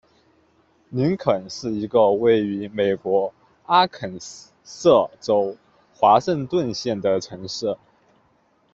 林肯是一个位于美国阿肯色州华盛顿县的城市。